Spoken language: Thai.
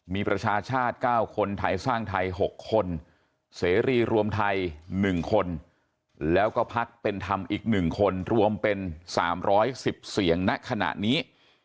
มีประชาชาติ๙คนไทยสร้างไทย๖คนเสรีรวมไทย๑คนแล้วก็พักเป็นธรรมอีก๑คนรวมเป็น๓๑๐เสียงณขณะนี้